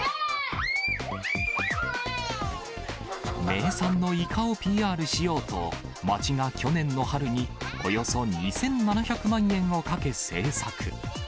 名産のイカをＰＲしようと、町が去年の春に、およそ２７００万円をかけ制作。